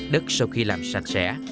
đất sau khi làm sạch sẽ